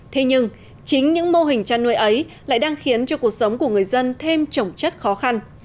thế nhưng chính những mô hình chăn nuôi ấy lại đang khiến cho cuộc sống của người dân thêm trổng chất khó khăn